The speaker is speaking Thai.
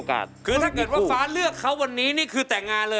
คือถ้าเกิดว่าฟ้าเลือกเขาวันนี้นี่คือแต่งงานเลย